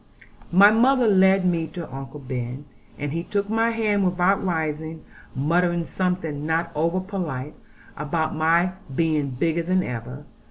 My mother led me to Uncle Ben, and he took my hand without rising, muttering something not over polite, about my being bigger than ever.